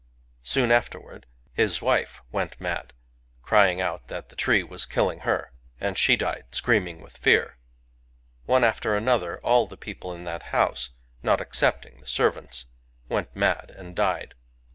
Soon afterward hit wife went mad, crying out that the tree wat killing her | and the died toeaming with fear. One after another, all the people in that houte, not excepting the tervantt, went mad and died.